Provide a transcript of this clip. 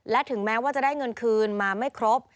และถึงแม้ว่าจะได้เงินคืนมาไม่ครบ